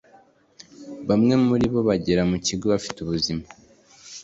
Bamwe muri bo bagera mu kigo bafite ubuzima